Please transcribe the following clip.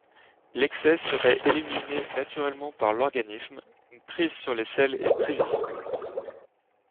L'excès serait éliminé naturellement par l'organisme, une prise sur les selles est prévisible.